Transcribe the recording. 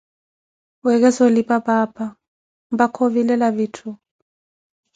weekesa olipa paapa, mpakha ovilela vitthu.